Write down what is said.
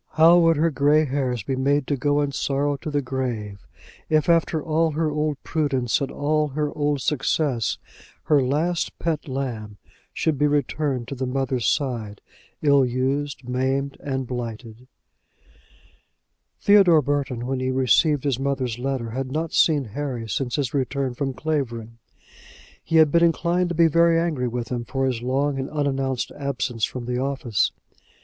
How would her gray hairs be made to go in sorrow to the grave, if, after all her old prudence and all her old success, her last pet lamb should be returned to the mother's side, ill used, maimed, and blighted! Theodore Burton, when he received his mother's letter, had not seen Harry since his return from Clavering. He had been inclined to be very angry with him for his long and unannounced absence from the office.